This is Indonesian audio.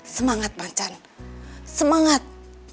semangat mancan semangat